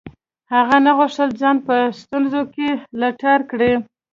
هغه نه غوښتل ځان په ستونزو کې لتاړ کړي.